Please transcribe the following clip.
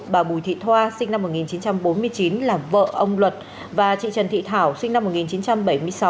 bà bùi thị thoa sinh năm một nghìn chín trăm bốn mươi chín là vợ ông luật và chị trần thị thảo sinh năm một nghìn chín trăm bảy mươi sáu